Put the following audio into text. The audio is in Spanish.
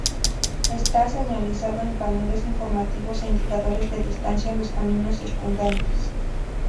Está señalizado con paneles informativos e indicadores de distancia en los caminos circundantes.